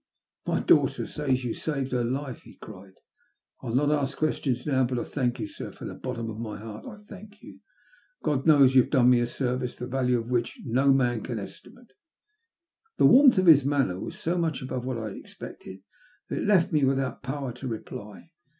" My daughter says you have saved her life," he cried. '' I'll not ask questions now, but I thank you, sir — ^from the bottom of my heart I thank you. God knows you have done me a service the value of which no man can estimate." The warmth of his manner was so much above what I had expected that it left me without power to reply.